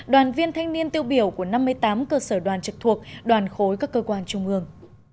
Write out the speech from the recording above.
đoàn viên thanh niên tiêu biểu của năm mươi tám cơ sở đoàn trực thuộc đoàn khối các cơ quan trung ương